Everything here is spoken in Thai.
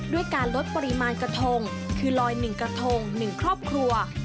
ด้วยการลดปริมาณกระทงคือลอย๑กระทง๑ครอบครัว